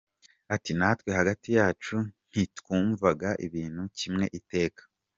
Ati natwe hagati yacu nti twumvaga ibintu kimwe iteka.